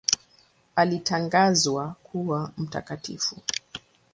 Alitangazwa kuwa mtakatifu.